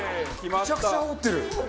めちゃくちゃ煽ってる。